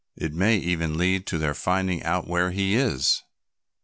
It may even lead to their finding out where he is."